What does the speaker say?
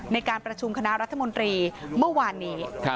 ในการประชุมคณะรัฐมนตรีเมื่อวานนี้